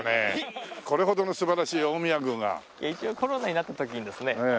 一応コロナになった時にですね